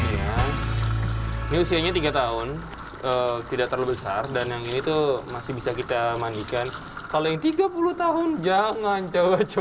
ini usianya tiga tahun tidak terlalu besar dan yang ini tuh masih bisa kita mandikan kalau yang tiga puluh tahun jangan coba coba